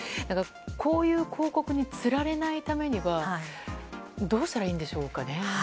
こういう広告に釣られないためにはどうしたらいいんでしょうかね。